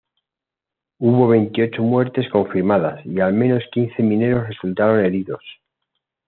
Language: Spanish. Hubo veintiocho muertes confirmadas, y al menos quince mineros resultaron heridos.